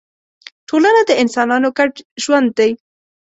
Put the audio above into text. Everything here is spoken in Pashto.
ټولنه د انسانانو ګډ ژوند دی.